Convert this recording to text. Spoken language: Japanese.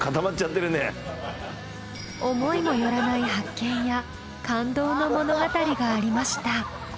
思いもよらない発見や感動の物語がありました。